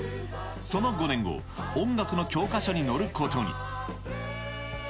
その５年後、音楽の教科書に載ることに。